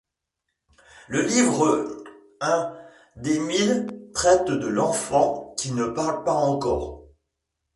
Le livre I d'Émile traite de l'enfant qui ne parle pas encore.